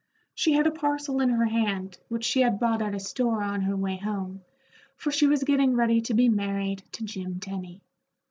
She had a parcel in her hand, which she had bought at a store on her way home, for she was getting ready to be married to Jim Tenny.